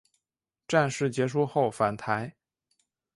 战事结束后返台。